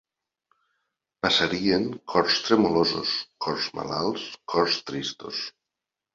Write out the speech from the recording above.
Passarien cors tremolosos, cors malalts, cors tristos